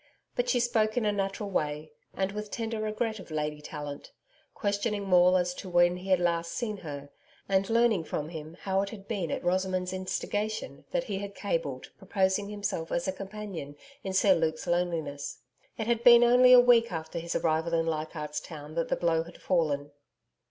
But she spoke in a natural way, and with tender regret of Lady Tallant questioning Maule as to when he had last seen her, and learning from him how it had been at Rosamond's instigation that he had cabled proposing himself as a companion in Sir Luke's loneliness. It had been only a week after his arrival in Leichardt's Town that the blow had fallen.